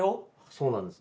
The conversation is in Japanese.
そうなんです。